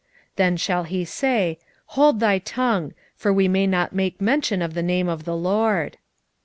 Then shall he say, Hold thy tongue: for we may not make mention of the name of the LORD.